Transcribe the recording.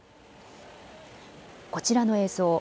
こちらの映像。